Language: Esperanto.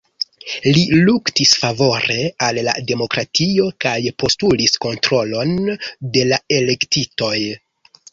Li luktis favore al la demokratio kaj postulis kontrolon de la elektitoj.